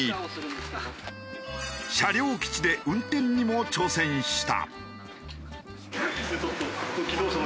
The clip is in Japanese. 車両基地で運転にも挑戦した。